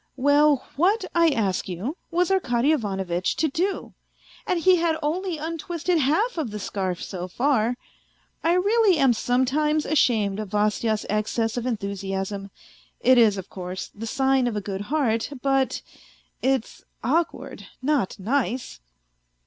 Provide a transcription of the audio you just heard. Well, what, I ask you, was Arkady Ivanovitch to do ? And he had only untwisted half of the scarf so far. I really am some times ashamed of Vasya's excess of enthusiasm ; it is, of course, the sign of a good heart, but ... it's awkward, not nice